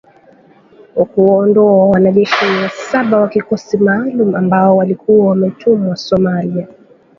wa kuwaondoa wanajeshi mia saba wa kikosi maalum ambao walikuwa wametumwa Somalia